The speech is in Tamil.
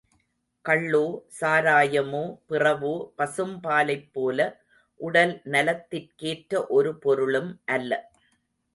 கள்ளோ, சாராயமோ, பிறவோ, பசும்பாலைப் போல உடல் நலத்திற்கேற்ற ஒரு பொருளும் அல்ல.